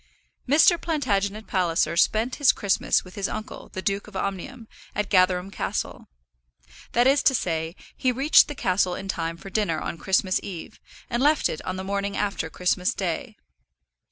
Mr. Plantagenet Palliser spent his Christmas with his uncle, the Duke of Omnium, at Gatherum Castle. That is to say, he reached the castle in time for dinner on Christmas eve, and left it on the morning after Christmas day.